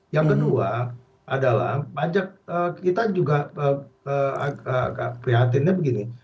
yang kedua adalah pajak kita juga prihatinnya begini